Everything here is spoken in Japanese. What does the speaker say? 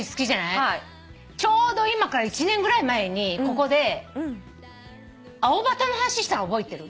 ちょうど今から１年ぐらい前にここでアオバトの話したの覚えてる？